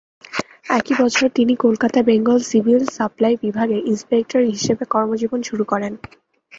একই বছর তিনি কলকাতায় বেঙ্গল সিভিল সাপ্লাই বিভাগের ইন্সপেক্টর হিসেবে কর্মজীবন শুরু করেন।